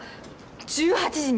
１８時に。